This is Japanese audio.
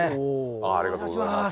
ありがとうございます。